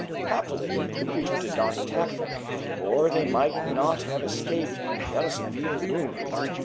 Happily the creature did not attack them, or they might not have escaped without a severe wound.